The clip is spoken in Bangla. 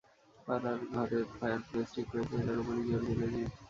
পড়ার ঘরের ফায়ার প্লেস ঠিক করেছে, এটার ওপরই জোর দিল জিম।